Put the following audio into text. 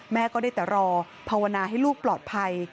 แม่ก็ได้แต่รอภาวนาให้ลูกปลอดภัย